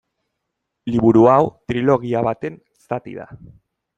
Liburu hau trilogia baten zati da.